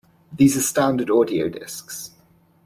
These are standard audio discs.